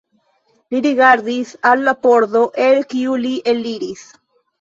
Li rigardis al la pordo el kiu li eliris.